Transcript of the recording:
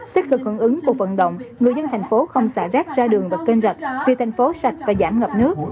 tích cực hưởng ứng cuộc vận động người dân thành phố không xả rác ra đường và kênh rạch vì thành phố sạch và giảm ngập nước